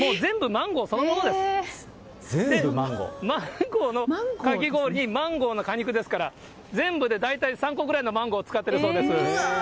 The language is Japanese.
マンゴーのかき氷にマンゴーの果肉ですから、全部で大体３個ぐらいのマンゴーを使ってるそううわー。